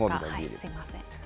すみません。